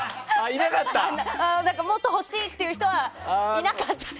もっと欲しいっていう人はいなかったです。